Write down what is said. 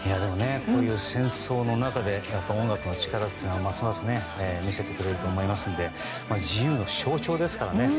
こういう戦争の中で音楽の力をますます見せてくれると思いますので自由の象徴ですからね。